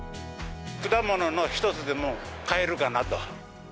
果物の１つでも買えるかなと。